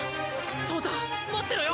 父さん待ってろよ！